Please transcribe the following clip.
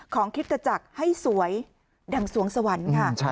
ของคริสต์กระจักษ์ให้สวยดังศวงสวรรค์